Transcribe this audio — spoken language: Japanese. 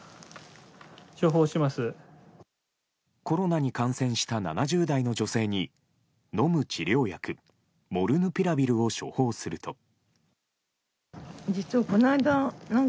コロナに感染した７０代の女性に飲む治療薬モルヌピラビルを処方すると。